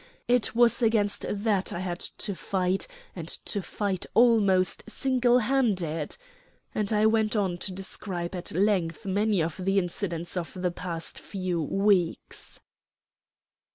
It was against that I had to fight, and to fight almost single handed;" and I went on to describe at length many of the incidents of the past few weeks.